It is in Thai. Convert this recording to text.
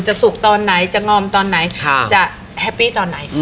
สุกตอนไหนจะงอมตอนไหนจะแฮปปี้ตอนไหนคะ